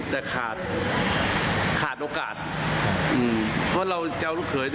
แต่ขาดขาดโอกาสอืมเพราะเราเจ้าเผลอ